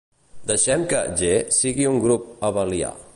Deixem que "G" sigui un grup abelià.